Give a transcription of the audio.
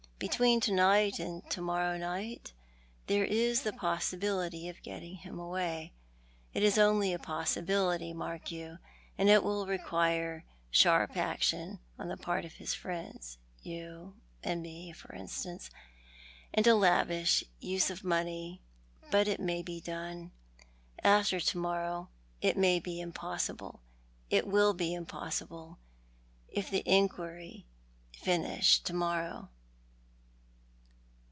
Between to night and to morrow morning there is the possibility of getting him away. It is only a possibility, mark you, and it will require sharp action on the part of his friends — you and me, for instance — and a lavish use of money ; but it may be done. After to morrow it may be impossible ; it will be impossible if the inquiry linish to morrow."